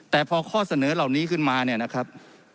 แต่พอข้อเสนอเหล่านี้ขึ้นมาเนี่ยนะครับ